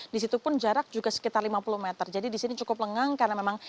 di situ pun jarak juga sekitar lima puluh meter jadi di sini cukup lengang karena memang